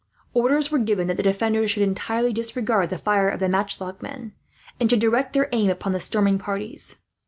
Orders were given that the defenders should entirely disregard the fire of the matchlock men, and should direct their aim upon the storming parties.